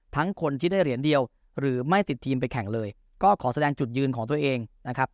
คนที่ได้เหรียญเดียวหรือไม่ติดทีมไปแข่งเลยก็ขอแสดงจุดยืนของตัวเองนะครับ